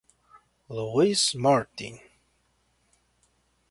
Louis Martin